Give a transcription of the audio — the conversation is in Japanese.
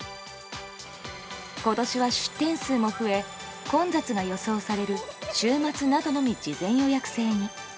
今年は出店数も増え混雑が予想される週末などのみ事前予約制に。